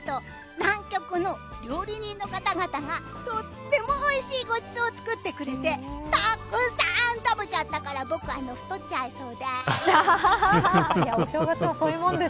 南極の料理人の方々がとってもおいしいごちそうを作ってくれてたくさん食べちゃったから僕、ふとっちゃいそうです。